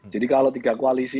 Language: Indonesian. jadi kalau tiga koalisi